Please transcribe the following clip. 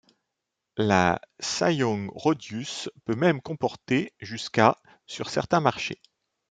La Ssangyong Rodius peut même comporter jusqu'à sur certains marchés.